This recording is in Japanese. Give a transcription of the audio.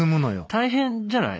大変じゃない？